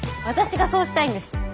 私がそうしたいんです。